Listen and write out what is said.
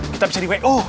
kita bisa di wu